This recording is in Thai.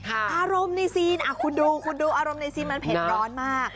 อารมณ์ในซีนคุณดูคุณดูอารมณ์ในซีนมันเผ็ดร้อนมาก